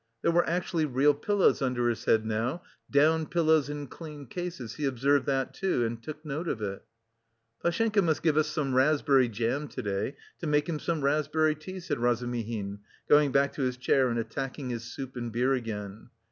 There were actually real pillows under his head now, down pillows in clean cases, he observed that, too, and took note of it. "Pashenka must give us some raspberry jam to day to make him some raspberry tea," said Razumihin, going back to his chair and attacking his soup and beer again.